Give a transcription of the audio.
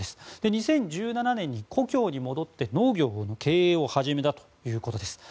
２０１７年に故郷に戻り農業の経営を始めたということです。